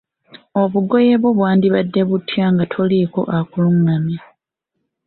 Obugoye bwo bwandibadde butya nga toliiko akulungamya?